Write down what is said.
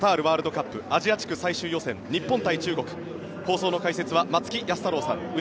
ワールドカップアジア地区最終予選、日本対中国放送の解説は松木安太郎さん